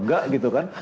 gak gitu kan